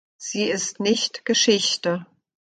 Sie ist nicht Geschichte.